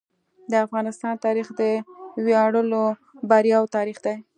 د افغانستان تاریخ د ویاړلو بریاوو تاریخ دی.